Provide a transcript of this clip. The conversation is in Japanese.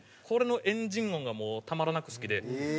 これのエンジン音がもうたまらなく好きで。